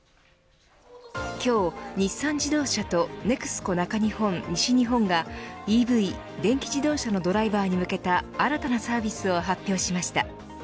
今日、日産自動車とＮＥＸＣＯ中日本、西日本がＥＶ電気自動車のドライバーに向けた新たなサービスを発表しました。